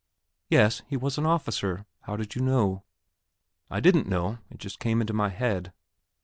"Yes; he was an officer. How did you know?" "I didn't know; it just came into my head."